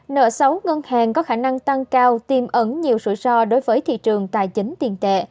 nợ xấu ngân hàng có khả năng tăng cao tìm ẩn nhiều rủi ro đối với thị trường tài chính tiền tệ